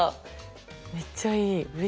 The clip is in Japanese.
めっちゃいい。